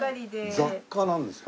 雑貨なんですか？